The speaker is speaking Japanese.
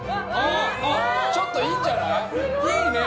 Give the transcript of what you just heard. あっちょっといいんじゃない？いいね！